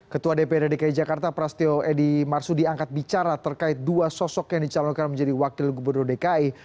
ketua dprd dki jakarta prasetyo edy marsudi angkat bicara terkait dua sosok yang dicalonkan menjadi wakil gubernur dki